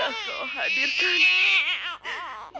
aku tidak akan memelihara matahari esok